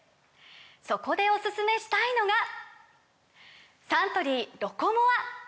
そこでおすすめしたいのがサントリー「ロコモア」！